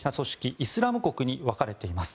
イスラム国に分かれています。